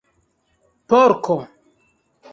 porko